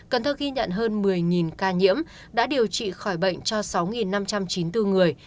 cần thơ ghi nhận hơn một mươi ca nhiễm đã điều trị khỏi bệnh cho sáu năm trăm chín mươi bốn người